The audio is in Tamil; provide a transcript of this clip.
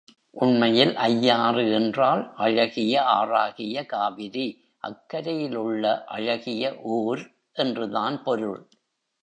உண்மையில் ஐயாறு என்றால், அழகிய ஆறாகிய காவிரி, அக்கரையில் உள்ள அழகிய ஊர் என்றுதான் பொருள்.